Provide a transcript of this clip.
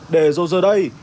để dù giờ đây